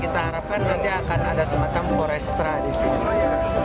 kita harapkan nanti akan ada semacam korestra di sini